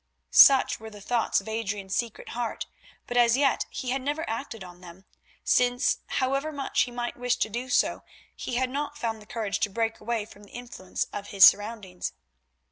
Such were the thoughts of Adrian's secret heart, but as yet he had never acted on them, since, however much he might wish to do so, he had not found the courage to break away from the influence of his surroundings.